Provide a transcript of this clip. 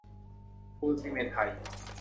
ปูนซิเมนต์ไทย